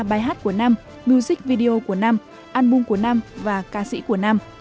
bài hát của năm music video của năm album của năm và ca sĩ của năm